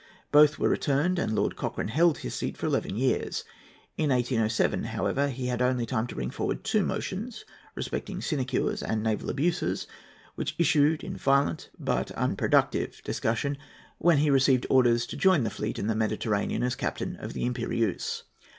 Both were returned, and Lord Cochrane held his seat for eleven years. In 1807, however, he had only time to bring forward two motions respecting sinecures and naval abuses, which issued in violent but unproductive discussion, when he received orders to join the fleet in the Mediterranean as captain of the Imperiéuse.